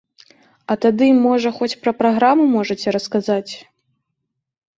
А тады, можа, хоць пра праграму можаце расказаць?